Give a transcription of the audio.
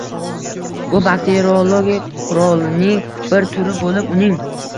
Bu bakteriologik qurolning bir turi bo‘lib, uning